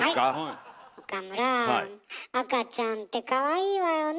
岡村赤ちゃんってかわいいわよね。